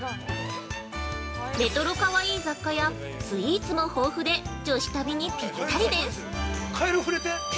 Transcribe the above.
レトロかわいい雑貨や、スイーツも豊富で女子旅にピッタリです。